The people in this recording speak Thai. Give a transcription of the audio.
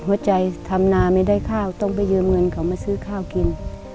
ทำนาไม่ได้ข้าวต้องไปยืมเงินเขามาซื้อข้าวกิน